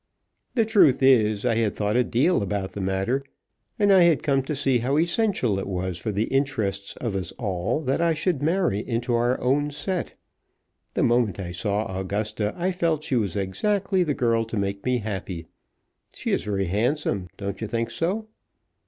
"The truth is, I had thought a deal about the matter, and I had come to see how essential it was for the interests of us all that I should marry into our own set. The moment I saw Augusta I felt that she was exactly the girl to make me happy. She is very handsome. Don't you think so?"